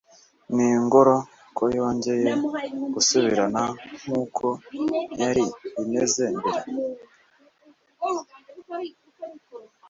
n'ingoro ko yongeye gusubirana nk'uko yari imeze mbere